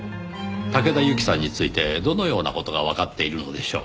竹田ユキさんについてどのような事がわかっているのでしょう？